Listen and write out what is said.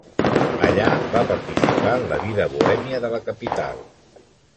Allà va participar en la vida bohèmia de la capital.